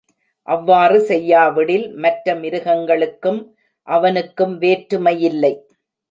அவ்வாறு செய்யாவிடில், மற்ற மிருகங்களுக்கும் அவனுக்கும் வேற்றுமை யில்லை.